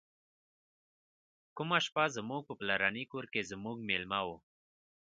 کومه شپه زموږ په پلرني کور کې زموږ میلمه و.